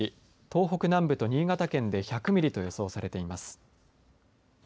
東北南部と新潟県で１００ミリと予想されています。